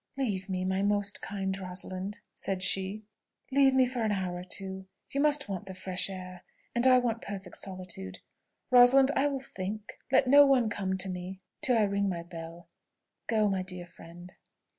"Leave me, my most kind Rosalind," said she! "leave me for an hour or two: you must want the fresh air, and I want perfect solitude. Rosalind, I will think. Let no one come to me till I ring my bell. Go, my dear friend!"